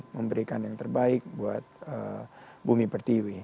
memberikan yang terbaik buat bumi pertiwi